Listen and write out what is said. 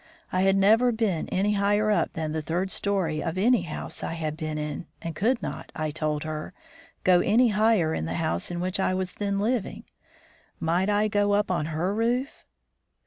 I had never been any higher up than the third story of any house I had been in, and could not, I told her, go any higher in the house in which I was then living. Might I go up on her roof?